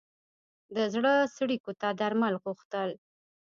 د زړه څړیکو ته درمل غوښتل.